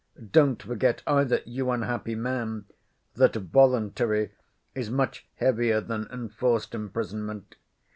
Don't forget either, you unhappy man, that voluntary is much heavier than enforced imprisonment.